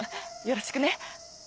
よろしくね。